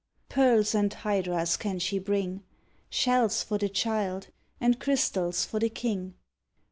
Pearls and hydras can she bring, Shells for the child and crystals for the king.